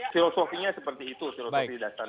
filosofinya seperti itu filosofi dasarnya